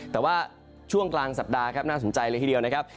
แต่ว่าช่วงกลางสัปดาห์ครับน่าสนใจเลยทีเดียวนะครับ